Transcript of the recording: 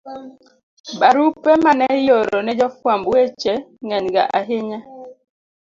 Barupe ma ne ioro ne jofwamb weche ng'enyga ahinya.